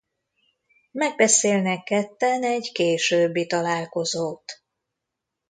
Megbeszélnek ketten egy későbbi találkozót.